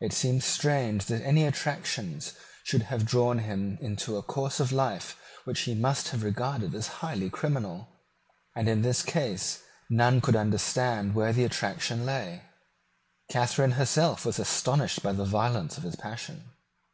It seems strange that any attractions should have drawn him into a course of life which he must have regarded as highly criminal; and in this case none could understand where the attraction lay. Catharine herself was astonished by the violence of his passion.